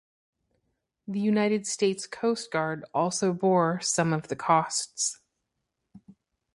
The United States Coast Guard also bore some of the costs.